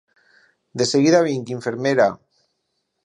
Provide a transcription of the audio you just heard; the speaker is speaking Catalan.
De seguida vinc, infermera!